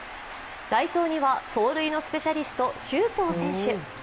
代走には走塁のスペシャリスト周東選手。